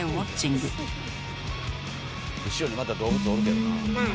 後ろにまた動物おるけどなあ。